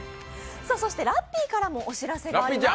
そしてラッピーからもお知らせがあります。